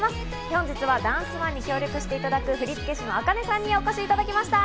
本日はダンスＯＮＥに協力していただく振付師のａｋａｎｅさんにお越しいただきました。